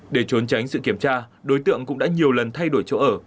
để trốn tránh sự kiểm tra đối tượng cũng đã nhiều lần thay đổi chỗ ở